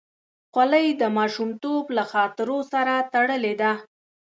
خولۍ د ماشومتوب له خاطرو سره تړلې ده.